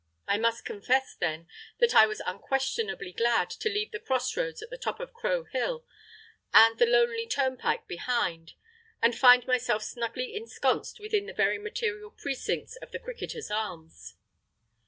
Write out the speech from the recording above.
I must confess, then, that I was unquestionably glad to leave the crossroads at the top of Crow Hill and the lonely turnpike behind and find myself snugly ensconced within the very material precincts of the Cricketers' Arms.